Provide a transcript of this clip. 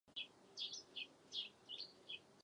Ano, musíme vytyčit skutečný evropský program.